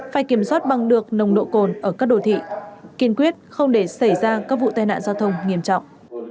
phải kiểm soát bằng được nồng độ cồn ở các đồ thị kiên quyết không để xảy ra các vụ tai nạn giao thông nghiêm trọng